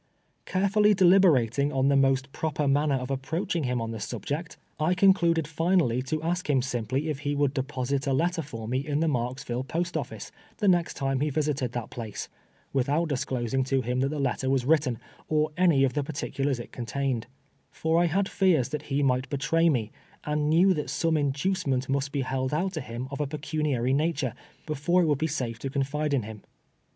Carefully deliberating on the most proper manner of approaching him on the subject, I concluded final ii33 TWELVE YEAKS A SI^VVE. \y to ask liim simply it' lie would deposit a letter for me in the Marksville post otlice the next time he vis ited that place, without disclosini^ to him that the let ter was written, or any of the particulars it contained ; for I had fears that he mit; ht betray me, and knew that some inducement must he held out to him of a l)ecuniary luiture, before it would be safe to conlide in him.